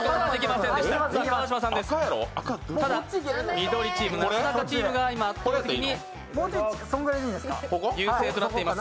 緑チーム、なすなかチームが優勢となっています。